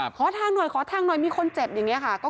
ขอทางหน่อยขอทางหน่อยมีคนเจ็บอย่างนี้ค่ะ